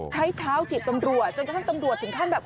ใช้เท้าถีบตำรวจจนกระทั่งตำรวจถึงขั้นแบบ